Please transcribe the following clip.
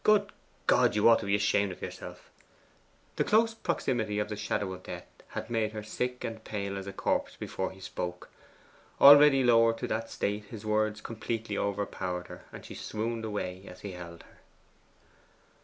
Good God, you ought to be ashamed of yourself!' The close proximity of the Shadow of Death had made her sick and pale as a corpse before he spoke. Already lowered to that state, his words completely over powered her, and she swooned away as he held her.